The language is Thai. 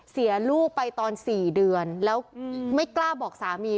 เสียลูกไปตอน๔เดือนแล้วไม่กล้าบอกสามี